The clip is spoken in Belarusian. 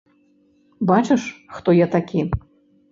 Бачыш, хто я такі?